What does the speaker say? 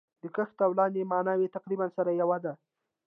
د کښته او لاندي ماناوي تقريباً سره يو دي.